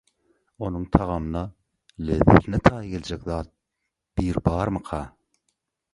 Onuň tagamyna, lezzetine taý geljek zat bir barmyka?